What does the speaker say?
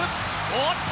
おっと！